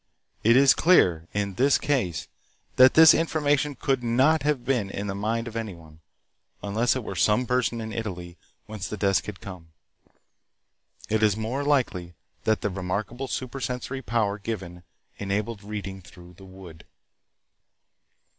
It is clear in this case that this information could not have been in the mind of any one, unless it were some person in Italy, whence the desk had come. It is more likely that the remarkable supersensory power given enabled reading through the wood.